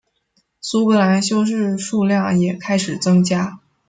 苏格兰修士数量也开始增加。